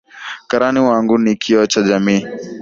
Karani wangu ni kioo cha jamii.